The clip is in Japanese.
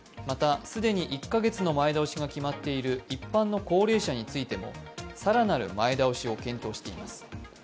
また、既に１カ月の前倒しが決まっている一般の高齢者についても更なる前倒しを検討しています。